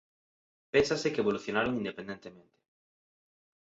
Pénsase que evolucionaron independentemente.